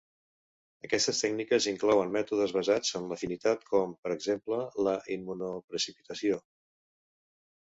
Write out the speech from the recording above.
Aquestes tècniques inclouen mètodes basats en l'afinitat com, per exemple, la immunoprecipitació.